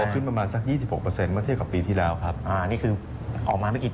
ของไตม่า๓เนี่ยจะเติบโตได้ถึง๘เปอร์เซ็นต์